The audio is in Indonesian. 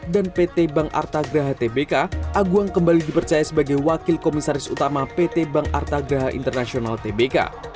dan pt bank artagraha tbk aguan kembali dipercaya sebagai wakil komisaris utama pt bank artagraha international tbk